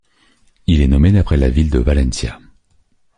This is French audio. Il est nommé d'après la ville de Valencia.